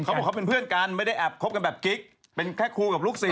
เขาบอกเขาเป็นเพื่อนกันไม่ได้แอบคบกันแบบกิ๊กเป็นแค่ครูกับลูกศิษ